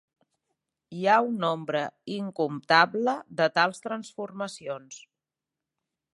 Hi ha un nombre incomptable de tals transformacions.